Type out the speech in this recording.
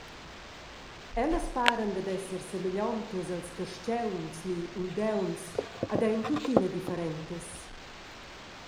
Ellas paran dad esser semegliontas als carstgauns ni uldauns ed ein tuttina differentas.